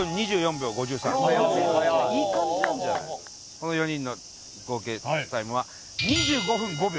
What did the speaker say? この４人の合計タイムは２５分５秒。